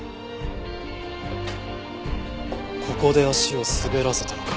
ここで足を滑らせたのか。